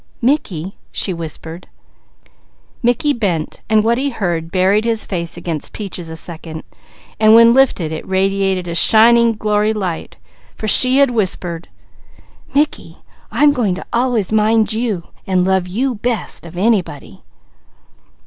"Mickey," she whispered. Mickey bent and what he heard buried his face against Peaches' a second and when lifted it radiated a shining glory light, for she had whispered: "Mickey, I'm going to always mind you and love you best of anybody."